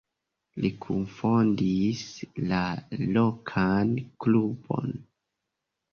Li kunfondis la lokan klubon.